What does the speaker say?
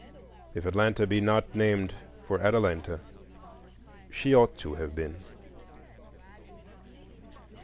If Atlanta be not named for Atalanta, she ought to have been.